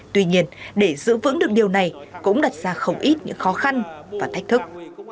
tuy nhiên để giữ vững được điều này cũng đặt ra không ít những khó khăn và thách thức